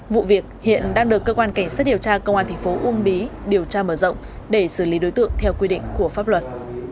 vụ việc hiện đang được cơ quan cảnh sát điều tra công an thành phố uông bí điều tra mở rộng để xử lý đối tượng theo quy định của pháp luật